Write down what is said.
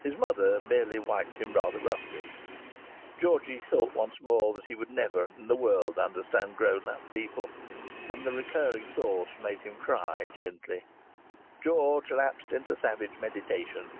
His mother merely wiped him rather roughly. Georgie thought, once more, that he never in this world should understand grown up people. And the recurring thought made him cry gently. George lapsed into savage meditation.